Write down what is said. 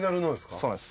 そうなんです。